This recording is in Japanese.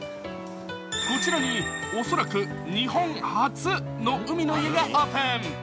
こちらに恐らく日本初の海の家がオープン。